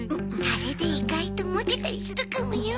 あれで意外とモテたりするかもよ。